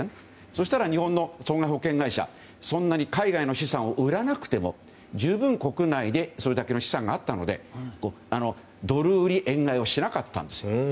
そうしたら日本の損害保険会社はそんなに海外の資産を売らなくても十分、国内でそれだけの資産があったのでドル売り円買いをしなかったんですよね。